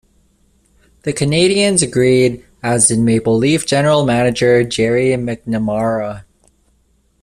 The Canadiens agreed as did Maple Leaf general manager Gerry McNamara.